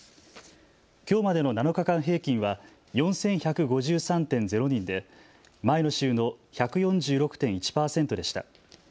きょうまでの７日間平均は４１５３．０人で前の週の１４６．１％でした。